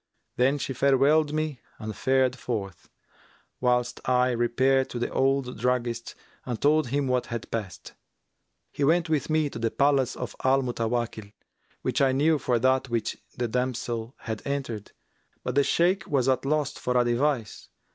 Then she farewelled me and fared forth, whilst I repaired to the old druggist and told him what had passed. He went with me to the palace of Al Mutawakkil which I knew for that which the damsel had entered; but the Shaykh was at a loss for a device.